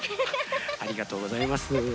ありがとうございます。